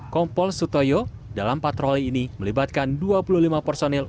kompol sutoyo dalam patroli ini melibatkan dua puluh lima personil